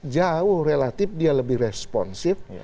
jauh relatif dia lebih responsif